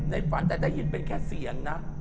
ฝันแต่ได้ยินเป็นแค่เสียงนะ